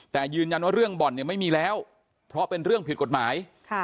แต่ยืนยันว่าเรื่องบ่อนเนี่ยไม่มีแล้วเพราะเป็นเรื่องผิดกฎหมาย